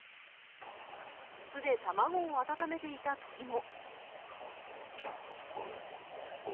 巣で卵を温めていた鳥も。